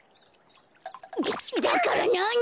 だだからなに！？